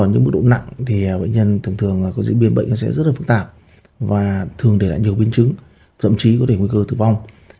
những mức độ nặng thì bệnh nhân thường thường có diễn biến bệnh sẽ rất là phức tạp và thường để lại nhiều biến chứng thậm chí có thể nguy cơ tử vong